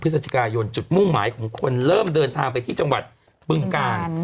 พฤศจิกายนจุดมุ่งหมายของคนเริ่มเดินทางไปที่จังหวัดบึงกาล